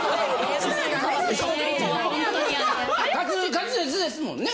滑舌ですもんね。